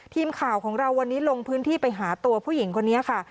ทีมข่าวของเราวันนี้ลงพื้นที่ไปหาตัวผู้หญิงคนนี้ค่ะ